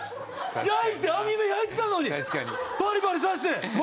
焼いて網で焼いてたのにバリバリさして！